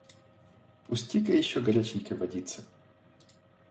Пусти-ка еще горяченькой водицы.